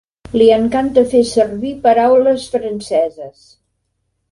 Li encanta fer servir paraules franceses.